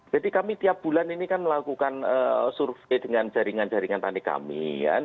jadi kami tiap bulan ini kan melakukan survei dengan jaringan jaringan tani kami